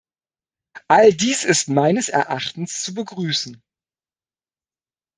All dies ist meines Erachtens zu begrüßen.